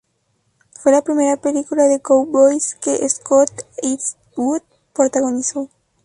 Fue la primera película de cowboys que Scott Eastwood protagonizó.